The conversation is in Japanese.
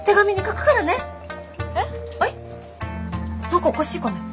何かおかしいかね？